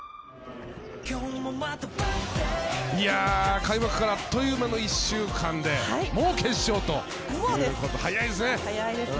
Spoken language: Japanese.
開幕からあっという間の１週間でもう決勝ということで早いですね。